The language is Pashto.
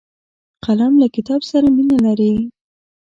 قلم له کتاب سره مینه لري